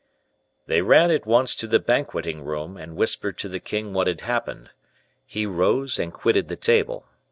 "They ran at once to the banqueting room, and whispered to the king what had happened; he rose and quitted the table.